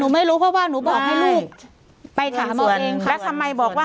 ไม่รู้เพราะว่าหนูบอกให้ลูกไปถามตัวเองค่ะแล้วทำไมบอกว่า